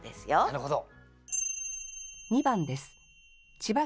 なるほど。